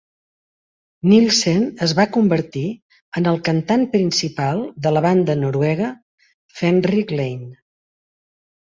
Nilsen es va convertir en el cantant principal de la banda noruega "Fenrik Lane".